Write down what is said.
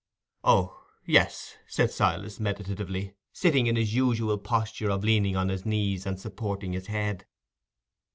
"Oh, yes," said Silas, meditatively, sitting in his usual posture of leaning on his knees, and supporting his head.